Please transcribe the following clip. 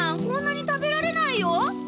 こんなに食べられないよ。